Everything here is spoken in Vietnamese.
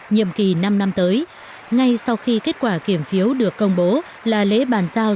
nhiệm kỳ năm năm tới ngay sau khi kết quả kiểm phiếu được công bố là lễ bàn giao